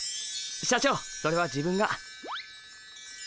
社長それは自分が。